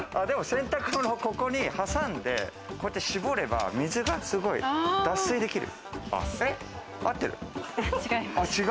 洗濯物、ここに挟んでこうやって絞れば、水がすごい脱水できる。